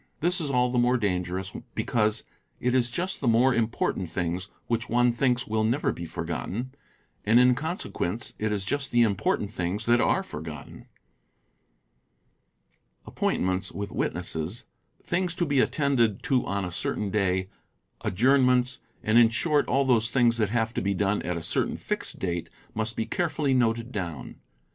This is all the more dangerous because it is just the more important things which one thinks will never be forgotten, and in con sequence it is just the important things that are forgotten. Appointments with witnesses, things to be attended to on a certain day, adjournments, © and in short all those things that have to be done at a certain fixed date must be carefully noted down.